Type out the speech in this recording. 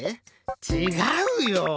ちがうよ！